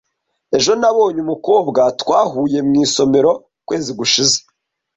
Ejo nabonye umukobwa twahuye mu isomero ukwezi gushize.